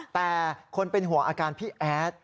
แต่คนเป็นห่วงอาการพี่แอด